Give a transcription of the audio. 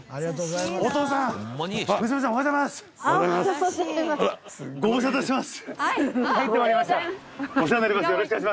ありがとうございます。